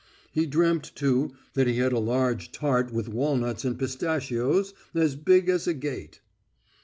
He dreamt, too, that he had a large tart with walnuts and pistachios as big as a gate....